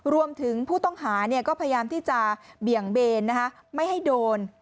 รวมถึงผู้ต้องหาก็พยายามที่จะเบี่ยงเบนไม่ให้โดน